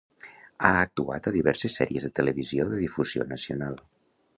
Ha actuat a diverses sèries de televisió de difusió nacional.